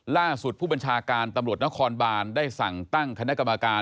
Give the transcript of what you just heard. ล่าสุดผู้บัญชาการตำรวจนครบานได้สั่งตั้งคณะกรรมการ